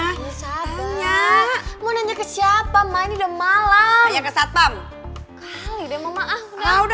hanya mau nanya ke siapa main udah malam ya kesat pam kali deh mama aku udah udah